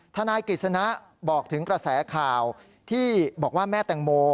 นายกฤษณะบอกถึงกระแสข่าวที่บอกว่าแม่แตงโม